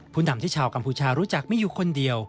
นำที่ชาวกัมพูชารู้จักไม่อยู่คนเดียว